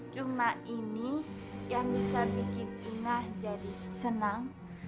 cuma ini yang bisa bikin inah jadi senang